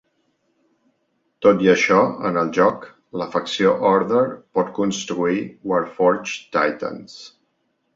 Tot i això, en el joc, la facció Order pot construir Warforged Titans.